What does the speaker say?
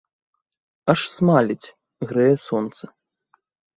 Аж смаліць, грэе сонца.